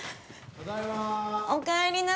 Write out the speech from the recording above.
ただいま。